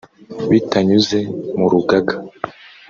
bitanyuze mu rugaga